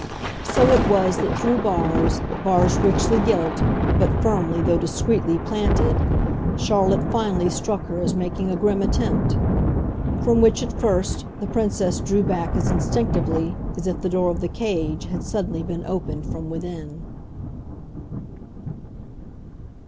So it was that through bars, bars richly gilt, but firmly, though discreetly, planted, Charlotte finally struck her as making a grim attempt; from which, at first, the Princess drew back as instinctively as if the door of the cage had suddenly been opened from within.